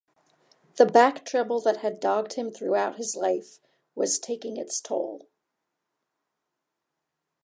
The back trouble that had dogged him throughout his life was taking its toll.